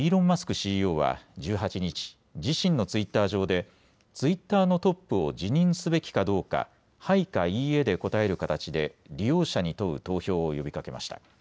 ＣＥＯは１８日、自身のツイッター上でツイッターのトップを辞任すべきかどうかはいかいいえで答える形で利用者に問う投票を呼びかけました。